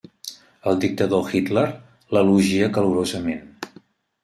El dictador Hitler l'elogia calorosament.